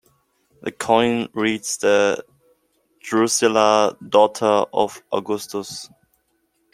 The coin reads to Drusilla, daughter of Augustus.